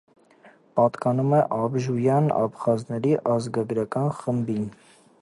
Պատկանում է աբժույան աբխազների ազգագրական խմբին։